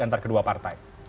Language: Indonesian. untuk kedua partai